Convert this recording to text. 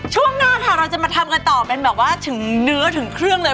ช่วงนอกค่ะเราจะมาทำกันต่อถึงเนื้อถึงเครื่องเลย